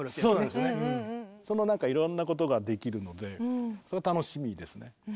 そのなんかいろんなことができるのでそれが楽しみですね。